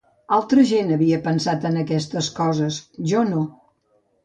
Altra gent havia pensat en aquestes coses, jo no.